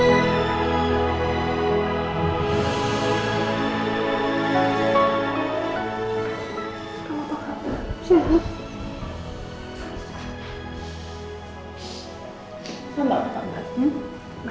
tapi riset percaya untuk utahelit berganteng época ito gua